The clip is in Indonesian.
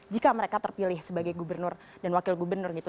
jika mereka terpilih sebagai gubernur dan wakil gubernur gitu